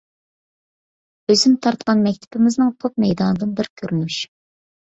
ئۆزۈم تارتقان مەكتىپىمىزنىڭ توپ مەيدانىدىن بىر كۆرۈنۈش.